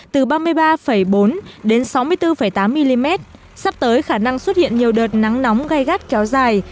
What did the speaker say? từ ba mươi ba bốn đến sáu mươi bốn tám mm sắp tới khả năng xuất hiện nhiều đợt nắng nóng gai gắt kéo dài